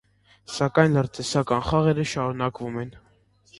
Սակայն լրտեսական խաղերը շարունակվում են։